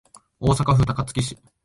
大阪府高槻市